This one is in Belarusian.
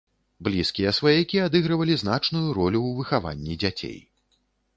Блізкія сваякі адыгрывалі значную ролю ў выхаванні дзяцей.